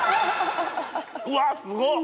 うわすごっ。